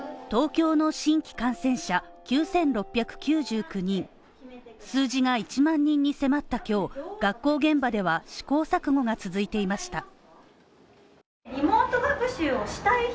東京の新規感染者９６９９人数字が１万人に迫った今日、学校現場では試行錯誤が続いていました。